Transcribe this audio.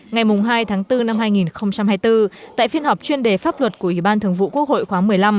ngày hai tháng bốn năm hai nghìn hai mươi bốn tại phiên họp chuyên đề pháp luật của ủy ban thường vụ quốc hội khóa một mươi năm